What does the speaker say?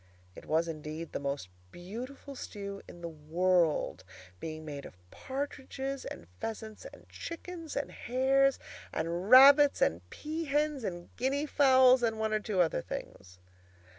It was, indeed, the most beautiful stew in the world, being made of partridges, and pheasants, and chickens, and hares, and rabbits, and pea hens, and guinea fowls, and one or two other things.